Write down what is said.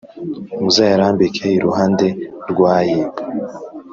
muzayarambike iruhande rw aye